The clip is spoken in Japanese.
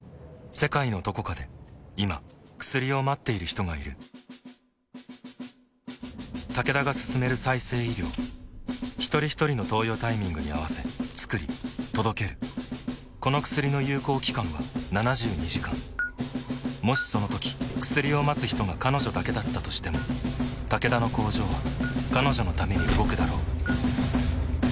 世界のどこかで今薬を待っている人がいるタケダが進める再生医療ひとりひとりの投与タイミングに合わせつくり届けるこの薬の有効期間は７２時間もしそのとき薬を待つ人が彼女だけだったとしてもタケダの工場は彼女のために動くだろう